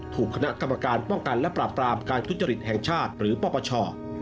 ถูกคณะกรรมการป้องกันและปราบปรามการทุจริตแห่งชาติหรือปปช